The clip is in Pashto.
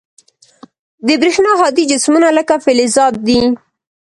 د برېښنا هادي جسمونه لکه فلزات دي.